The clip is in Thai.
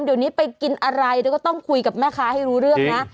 เดี๋ยวนี้ไปกินอะไรเดี๋ยวก็ต้องคุยกับแม่ค้าให้รู้เรื่องนะ